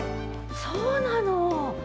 そうなの。